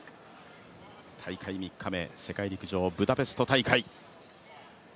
大会３日目、世界陸上ブダペスト大会。